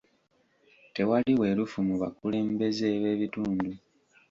Tewali bwerufu mu bakulembeze b'ebitundu.